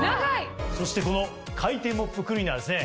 そしてこの回転モップクリーナーはですね